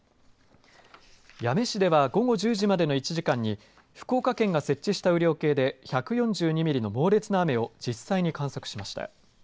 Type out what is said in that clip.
八女市では午後１０時までの１時間に福岡県が設置した雨量計で１４２ミリの猛烈な雨を実際に観測しました。